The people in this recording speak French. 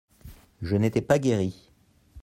Je n'étais pas guéri.